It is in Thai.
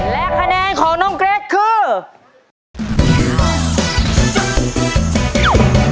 และคะแนนของน้องเกรทคือ